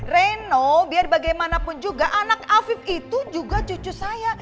reno biar bagaimanapun juga anak afif itu juga cucu saya